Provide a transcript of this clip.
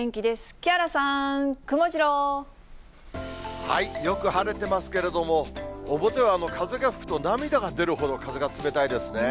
木原さよく晴れてますけれども、表は風が吹くと、涙が出るほど風が冷たいですね。